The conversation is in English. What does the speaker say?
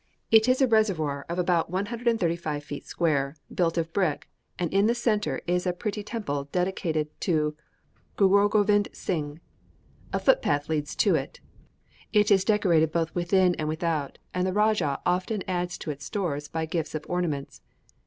It is a reservoir of about 135 feet square, built of brick, and in the centre is a pretty temple dedicated to Gourogovind Sing. A footpath leads to it; it is decorated both within and without, and the rajah often adds to its stores by gifts of ornaments.